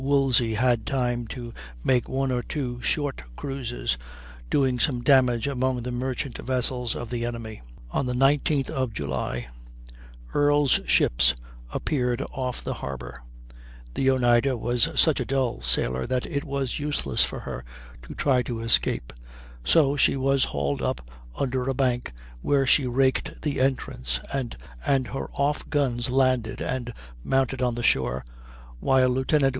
Woolsey had time to make one or two short cruises, doing some damage among the merchant vessels of the enemy. On the 19th of July Earle's ships appeared off the Harbor; the Oneida was such a dull sailor that it was useless for her to try to escape, so she was hauled up under a bank where she raked the entrance, and her off guns landed and mounted on the shore, while Lieut.